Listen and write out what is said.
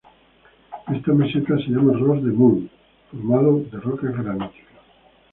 Esta meseta se llama Ross de Mull, formado de rocas graníticas.